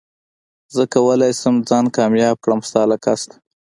زه کولي شم ځان کامياب کړم ستا له قصده